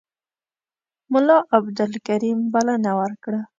ملا عبدالکریم بلنه ورکړه.